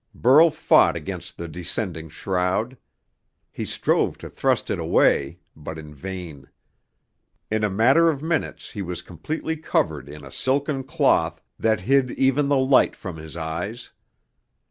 Burl fought against the descending shroud. He strove to thrust it away, but in vain. In a matter of minutes he was completely covered in a silken cloth that hid even the light from his eyes.